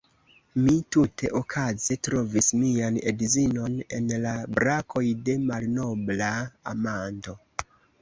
Mi tute okaze trovis mian edzinon en la brakoj de malnobla amanto!